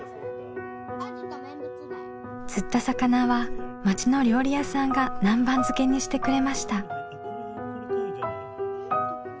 釣った魚は町の料理屋さんが南蛮漬けにしてくれました。